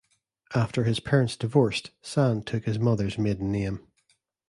After his parents divorced, Sand took his mother's maiden name.